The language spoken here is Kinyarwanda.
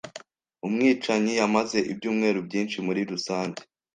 Umwicanyi yamaze ibyumweru byinshi muri rusange.